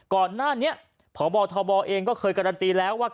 ก่อนหน้านี้พบทบเองก็เคยการันตีแล้วว่า